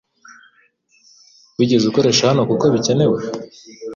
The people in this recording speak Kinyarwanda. Wigeze ukoresha hano kuko bikenewe